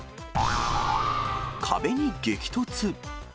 壁に激突。